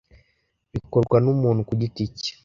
bikorwa n’ umuntu ku giti cye